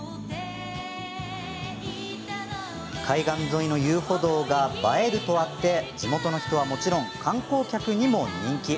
海岸沿いの遊歩道が映えるとあって地元の人はもちろん観光客にも人気。